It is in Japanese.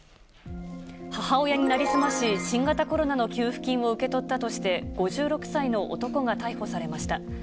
母親に成り済まし、新型コロナの給付金を受け取ったとして５６歳の男が逮捕されました。